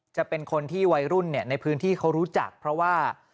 จะเป็นคนที่วัยรุ่นในพื้นที่เขารู้จักเพราะว่า